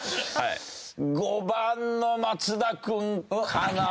５番の松田君かな？